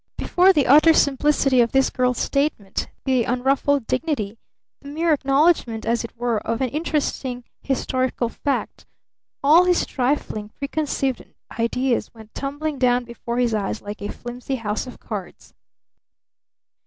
Before the utter simplicity of this girl's statement, the unruffled dignity, the mere acknowledgment, as it were, of an interesting historical fact, all his trifling, preconceived ideas went tumbling down before his eyes like a flimsy house of cards.